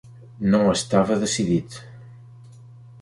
No estava decidit.